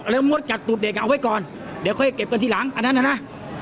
แล้วงวดกักตูดเด็กอ่ะเอาไว้ก่อนเดี๋ยวค่อยเก็บกันทีหลังอันนั้นนะ